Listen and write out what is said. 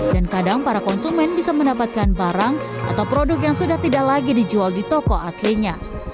dan kadang para konsumen bisa mendapatkan barang atau produk yang sudah tidak lagi dijual di toko aslinya